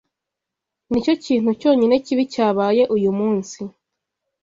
Nicyo kintu cyonyine kibi cyabaye uyu munsi.